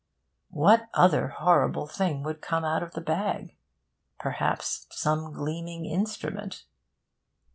What other horrible thing would come out of the bag? Perhaps some gleaming instrument?...